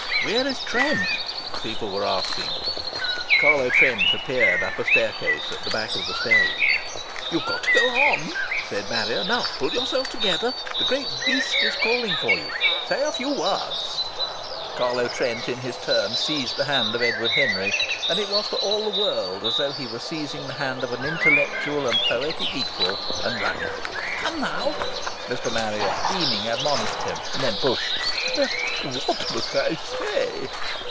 "Where is Trent?" people were asking. Carlo Trent appeared up a staircase at the back of the stage. "You've got to go on," said Marrier. "Now, pull yourself together. The Great Beast is calling for you. Say a few wahds." Carlo Trent in his turn seized the hand of Edward Henry, and it was for all the world as though he were seizing the hand of an intellectual and poetic equal, and wrung it. "Come now!" Mr. Marrier, beaming, admonished him, and then pushed. "What must I say?"